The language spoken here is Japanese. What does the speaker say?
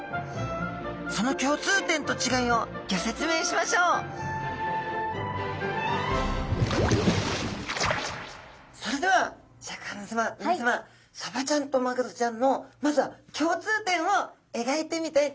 その共通点と違いをギョ説明しましょうそれではシャーク香音さまみなさまサバちゃんとマグロちゃんのまずは共通点をえがいてみたいと思います。